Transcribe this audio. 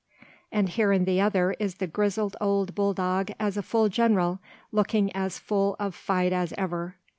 And here in the other is the grizzled old bull dog as a full general, looking as full of fight as ever.